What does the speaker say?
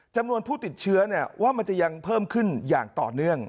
จำนวนผู้ติดเชื้อว่ามันจะยังเพิ่มขึ้นอย่างต่อเนื่อง